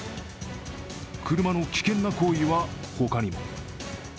車の危険な行為は他にも。